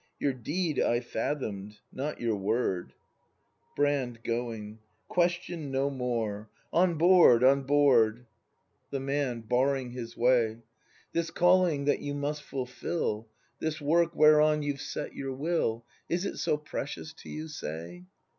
] Your deed I fathom'd, — not your word. Brand. [Goitig.] Question no more ! On board ! on board ! 78 BRAND [act ii The Man. [Barring his way.] This calling that you must fulfil, This work, whereon you've set your will. Is it so precious to you, say